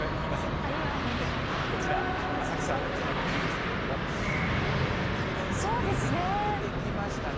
こちら、浅草ですけれども、オレンジ色に焼けてきましたね。